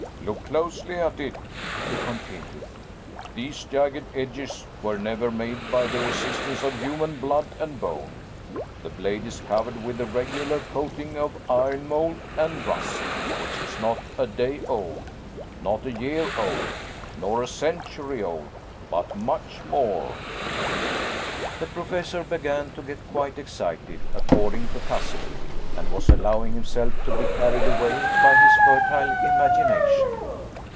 "Look closely at it," he continued; "these jagged edges were never made by the resistance of human blood and bone. The blade is covered with a regular coating of iron mold and rust, which is not a day old, not a year old, not a century old, but much more " The Professor began to get quite excited, according to custom, and was allowing himself to be carried away by his fertile imagination.